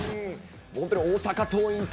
本当に大阪桐蔭対